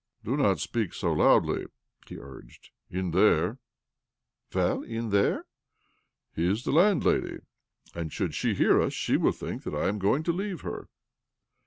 " Do not speak so loudly," he urged. " In there " "Well in there?" "Is the landlady, and, should she hear us, she will thiiik that I am going to leave her."